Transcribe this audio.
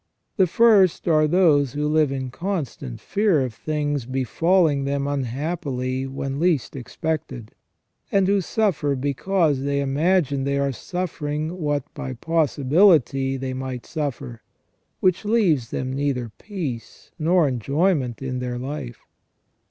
The first are those who live in constant fear of things befalling them unhappily when least expected, and who suffer because they imagine they are suf fering what by possibility they might suffer, which leaves them neither peace nor enjoyment in their life.